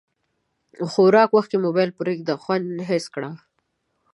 د خوراک وخت کې موبایل پرېږده، خوند حس کړه.